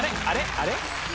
あれ？